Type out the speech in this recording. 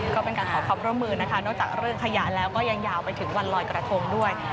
ก็เป็นการขอความร่วมมือนะคะนอกจากเรื่องขยะแล้วก็ยังยาวไปถึงวันลอยกระทงด้วย